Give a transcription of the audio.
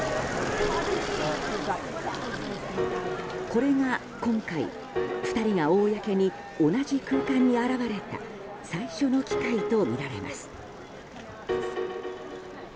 これが今回、２人が公に同じ空間に現れた最初の機会とみられます。